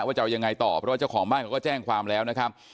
จะเอายังไงต่อเพราะว่าเจ้าของบ้านเขาก็แจ้งความแล้วนะครับ